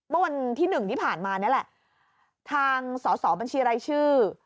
เมื่อวันที่๑ที่ผ่านมานี่แหละทางสอสอบัญชีรายชื่อ